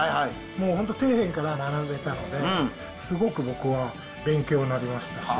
もう本当、底辺から学べたので、すごく僕は勉強になりました。